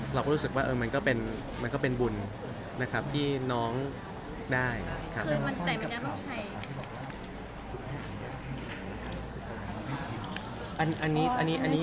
เราก็รู้สึกว่ามันก็เป็นบุญนะครับที่น้องได้ครับ